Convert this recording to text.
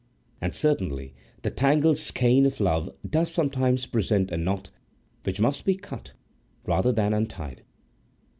And certainly the tangled skein of love does sometimes present a knot which must be cut rather than untied.